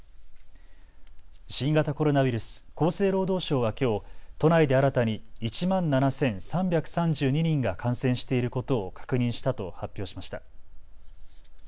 新型コロナウイルス、厚生労働省はきょう都内で新たに１万７３３２人が感染していることを確認したと発表しました。